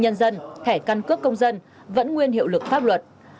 nhân dân thẻ căn cước công dân vẫn nguyên hiệu lực pháp luật